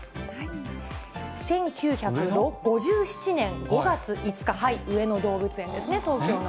１９５７年５月５日、上野動物園ですね、東京の。